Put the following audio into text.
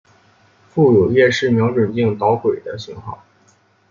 附有夜视瞄准镜导轨的型号。